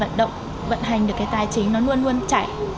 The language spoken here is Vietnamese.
vận động vận hành được cái tài chính nó luôn luôn chạy